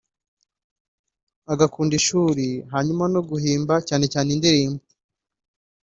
agakunda ishuri hanyuma no guhimba cyane cyane indirimbo